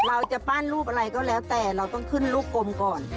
เราจะปั้นรูปอะไรก็แล้วแต่เราต้องขึ้นลูกกลมก่อน